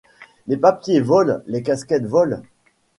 Les papiers volent, les casquettes volent.